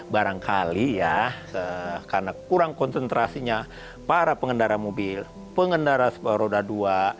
barangkali ya karena kurang konsentrasinya para pengendara mobil pengendara roda dua